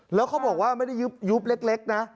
แล้วเขาบอกว่าไม่ได้ยุบเล็กนะ